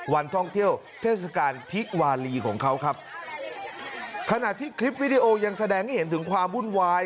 วันท่องเที่ยวเทศกาลทิวาลีของเขาครับขณะที่คลิปวิดีโอยังแสดงให้เห็นถึงความวุ่นวาย